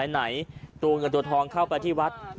ไหนตัวเงินตัวทองเข้าไปที่วัด